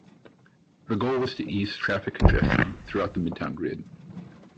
The goal was to ease traffic congestion throughout the midtown grid.